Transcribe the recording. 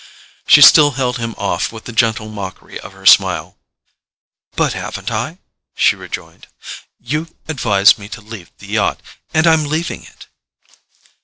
She still held him off with the gentle mockery of her smile. "But haven't I?" she rejoined. "You advised me to leave the yacht, and I'm leaving it."